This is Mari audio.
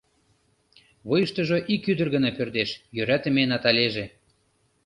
Вуйыштыжо ик ӱдыр гына пӧрдеш: йӧратыме Наталеже.